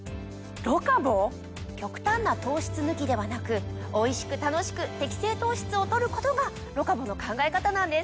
⁉極端な糖質抜きではなくおいしく楽しく適正糖質を取ることがロカボの考え方なんです。